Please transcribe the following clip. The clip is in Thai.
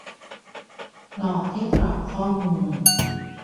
- หลอกให้กรอกข้อมูล